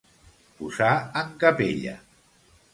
Posar en capella.